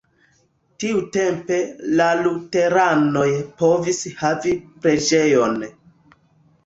Tiutempe la luteranoj povis havi preĝejon.